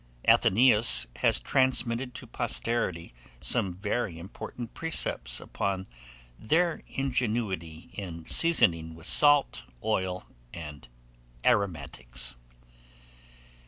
Athenaeus has transmitted to posterity some very important precepts upon their ingenuity in seasoning with salt, oil, and aromatics.